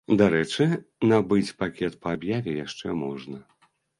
Дарэчы, набыць пакет па аб'яве яшчэ можна.